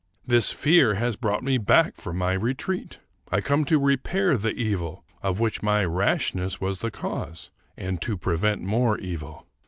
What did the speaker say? This fear has brought me back from my retreat. I come to repair the evil of which my rashness was the cause, and to prevent more evil.